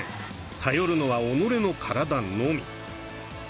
頼るのは己の体のみ。